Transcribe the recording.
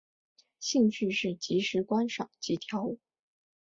兴趣是即时观赏及跳舞。